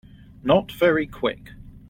Not very Quick.